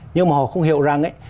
nhưng mà họ không hiểu rằng